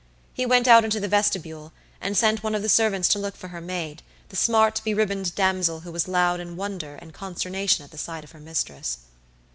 He went out into the vestibule, and sent one of the servants to look for her maid, the smart, be ribboned damsel who was loud in wonder and consternation at the sight of her mistress.